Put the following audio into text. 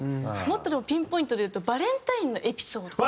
もっとでもピンポイントでいうとバレンタインのエピソード。